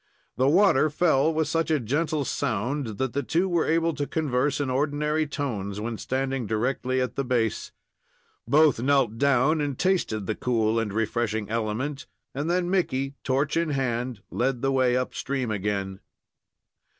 The water fell with such a gentle sound that the two were able to converse in ordinary tones when standing directly at the base. Both knelt down and tasted the cool and refreshing element, and then Mickey, torch in hand, led the way up stream again.